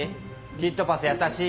キットパスやさしい？